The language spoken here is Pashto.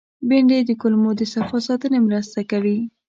بېنډۍ د کولمو د صفا ساتنې مرسته کوي